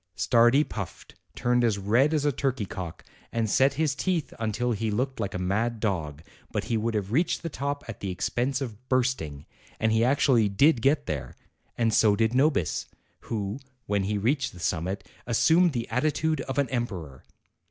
Stardi puffed, turned as red as a turkey cock, and set his teeth until he looked like a mad dog; but he would have reached the top at the expense of bursting, and he actually did get there; and so did Nobis, who, when he reached the summit, assumed the attitude of an emperor.